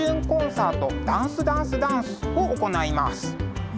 コンサートダンスダンスダンス」を行います。